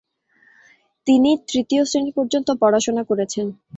তিনি তৃতীয় শ্রেণী পর্যন্ত পড়াশোনা করেছেন।